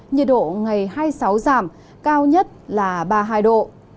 nhiệt độ ngày hai mươi sáu giảm cao nhất là ba mươi hai độ